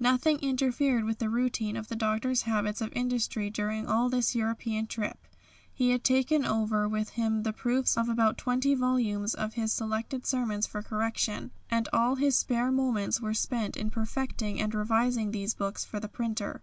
Nothing interfered with the routine of the Doctor's habits of industry during all this European trip. He had taken over with him the proofs of about 20 volumes of his selected sermons for correction, and all his spare moments were spent in perfecting and revising these books for the printer.